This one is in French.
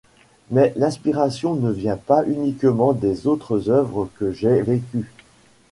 Mais l’inspiration ne vient pas uniquement des autres œuvres que j’ai vécues.